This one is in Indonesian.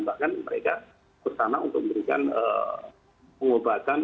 bahkan mereka bersama untuk memberikan pengobatan